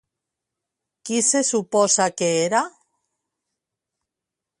Qui se suposa que era?